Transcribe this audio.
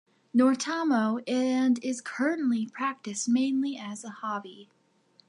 Nortamo, and is currently practiced mainly as a hobby.